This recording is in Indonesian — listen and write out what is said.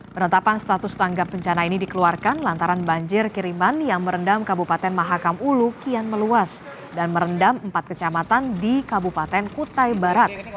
penetapan status tanggap bencana ini dikeluarkan lantaran banjir kiriman yang merendam kabupaten mahakam ulu kian meluas dan merendam empat kecamatan di kabupaten kutai barat